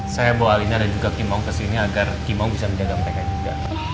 saya bawa alina dan juga kimong ke sini agar kimong bisa menjaga pk juga